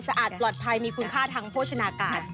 อาจปลอดภัยมีคุณค่าทางโภชนาการ